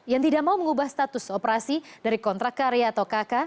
yang tidak mau mengubah status operasi dari kontrak karya atau kk